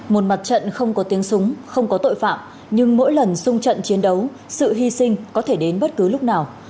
một mặt trận không có tiếng súng không có tội phạm nhưng mỗi lần sung trận chiến đấu sự hy sinh có thể đến bất cứ lúc nào